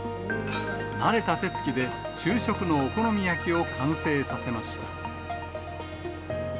慣れた手つきで昼食のお好み焼きを完成させました。